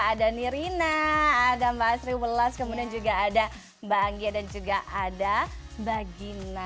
ada nirina ada mbak sri welas kemudian juga ada mbak anggia dan juga ada mbak gina